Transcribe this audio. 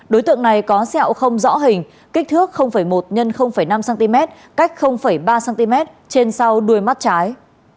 đối tượng này có sẹo không rõ hình kích thước một x năm cm cách ba cm trên sau đuôi mắt trái